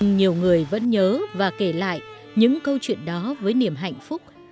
nhưng nhiều người vẫn nhớ và kể lại những câu chuyện đó với niềm hạnh phúc